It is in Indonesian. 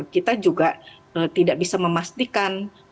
kita juga tidak bisa memastikan